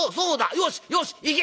よしよしいけ！